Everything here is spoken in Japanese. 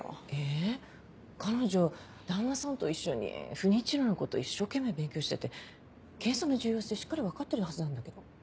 え彼女旦那さんと一緒に不妊治療のこと一生懸命勉強してて検査の重要性しっかり分かってるはずなんだけど。